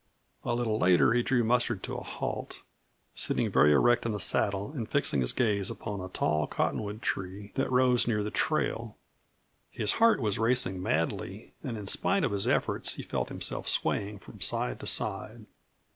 A little later he drew Mustard to a halt, sitting very erect in the saddle and fixing his gaze upon a tall cottonwood tree that rose near the trail. His heart was racing madly, and in spite of his efforts, he felt himself swaying from side to side.